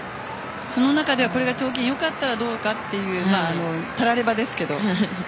その中では条件がよかったらどうかとたらればですけど。